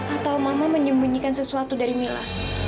atau mama menyembunyikan sesuatu dari mila